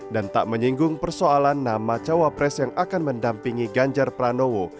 dan tak menyinggung persoalan nama cawapres yang akan mendampingi ganjar pranowo